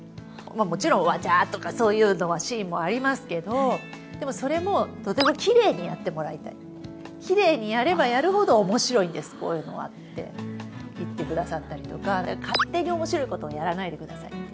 もちろん、わちゃーとか、そういうのは、シーンもありますけど、でもそれも、とてもきれいにやってもらいたい、きれいにやればやるほどおもしろいんです、こういうのはって言ってくださったりとか、勝手におもしろいことをやらないでくださいって。